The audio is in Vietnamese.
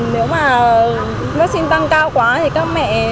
nếu mà vaccine tăng cao quá thì các mẹ